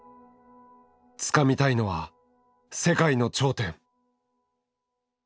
つかみたいのは世界の頂点。